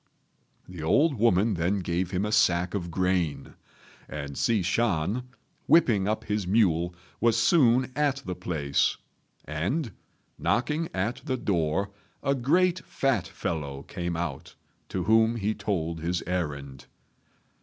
The old woman then gave him a sack of grain; and Hsi Shan, whipping up his mule, was soon at the place; and, knocking at the door, a great fat fellow came out, to whom he told his errand.